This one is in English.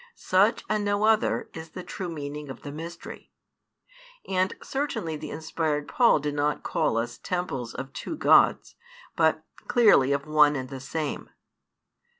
Such, and no other, is the true meaning of the mystery. And certainly the inspired Paul did not call us temples of two Gods, but clearly of one and the same.